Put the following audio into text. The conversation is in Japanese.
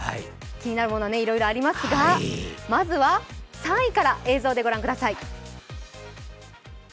気になるものはいろいろありますが、まずは３位から映像でご覧ください